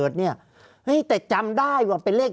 ภารกิจสรรค์ภารกิจสรรค์